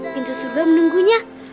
pintu surga menunggunya